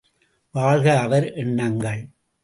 வாழ்க அவர் எண்ணங்கள்!